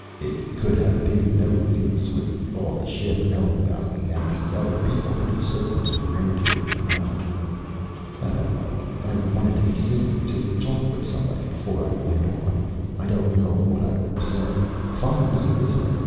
It could have been no use, with all the ship knowing about me and the other people pretty certain to be round here in the morning. I don't know I wanted to be seen, to talk with somebody, before I went on. I don't know what I would have said.... 'Fine night, isn't it?